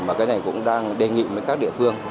mà cái này cũng đang đề nghị với các địa phương